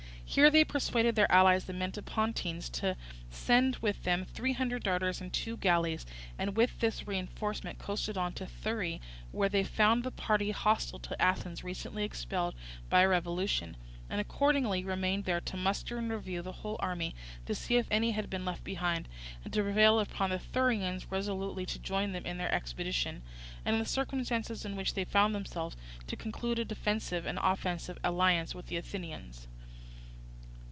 Here they persuaded their allies the Metapontines to send with them three hundred darters and two galleys, and with this reinforcement coasted on to Thurii, where they found the party hostile to Athens recently expelled by a revolution, and accordingly remained there to muster and review the whole army, to see if any had been left behind, and to prevail upon the Thurians resolutely to join them in their expedition, and in the circumstances in which they found themselves to conclude a defensive and offensive alliance with the Athenians.